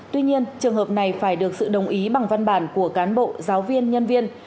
tuy nhiên trường hợp này phải được sự đồng ý bằng văn bản của cán bộ giáo viên nhân viên